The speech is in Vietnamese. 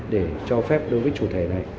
để cho phép đối với chủ thể này